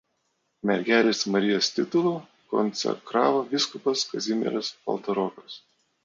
Mergelės Marijos titulu konsekravo vyskupas Kazimieras Paltarokas.